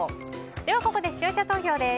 ここで視聴者投票です。